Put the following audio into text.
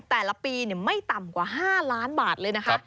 แต่ละปีไม่ต่ำกว่า๕ล้านบาทเลยนะคะ